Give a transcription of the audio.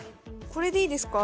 これでいいですか？